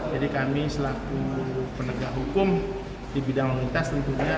jadi kami selaku penegak hukum di bidang lintas tentunya